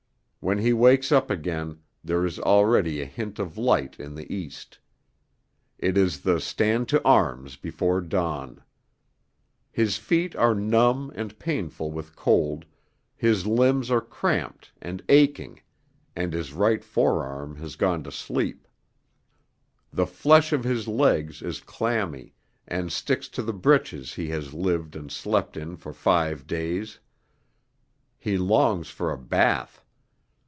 When he wakes up again there is already a hint of light in the East. It is the 'Stand to Arms' before dawn. His feet are numb and painful with cold, his limbs are cramped and aching, and his right forearm has gone to sleep. The flesh of his legs is clammy, and sticks to the breeches he has lived and slept in for five days: he longs for a bath.